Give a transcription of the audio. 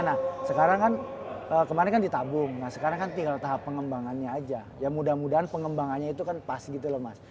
nah sekarang kan kemarin kan ditabung nah sekarang kan tinggal tahap pengembangannya aja ya mudah mudahan pengembangannya itu kan pasti gitu loh mas